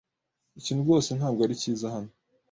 Ikintu rwose ntabwo ari cyiza hano.